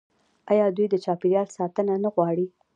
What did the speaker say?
آیا دوی د چاپیریال ساتنه نه غواړي؟